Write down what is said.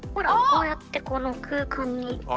こうやってこの空間に。